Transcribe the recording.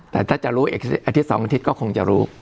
แต่ถ้าจะรู้อีกอาทิตย์๒อาทิตย์ก็คงจะรู้